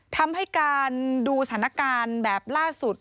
ทำให้การดูสถานการณ์แบบล่าสุด